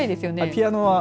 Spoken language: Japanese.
ピアノは。